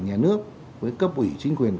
nhà nước với cấp ủy chính quyền